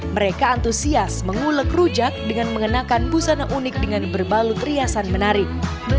mereka antusias mengulek rujak dengan mengenakan busana unik dengan berbalut riasan menarik